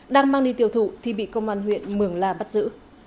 đang mang đi tiêu thụ thì bị công an huyện mường la bắt giữ